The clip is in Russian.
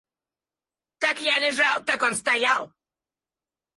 Так я лежал, так он стоял.